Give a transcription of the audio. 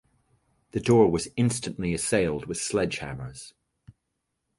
The door was instantly assailed with sledge-hammers.